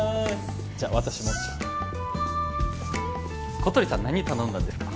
じゃあ私も小鳥さん何頼んだんですか？